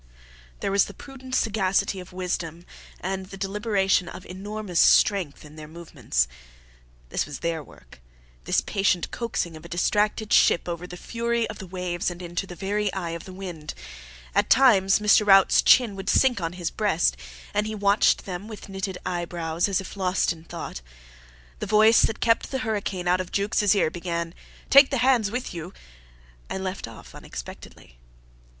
There was the prudent sagacity of wisdom and the deliberation of enormous strength in their movements. This was their work this patient coaxing of a distracted ship over the fury of the waves and into the very eye of the wind. At times Mr. Rout's chin would sink on his breast, and he watched them with knitted eyebrows as if lost in thought. The voice that kept the hurricane out of Jukes' ear began: "Take the hands with you ...," and left off unexpectedly.